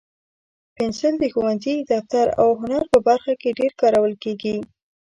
پنسل د ښوونځي، دفتر، او هنر په برخه کې ډېر کارول کېږي.